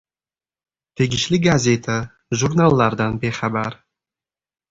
Tegishli gazeta, jurnallardan bexabar.